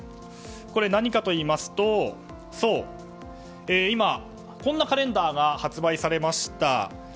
何かといいますと今、こんなカレンダーが発売されました。